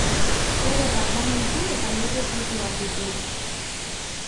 Bere parlamentu eta lege propioak ditu.